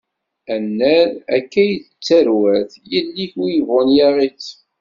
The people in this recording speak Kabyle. Annar, akka i yettarwat, yelli-k win yebɣun yaɣ-itt.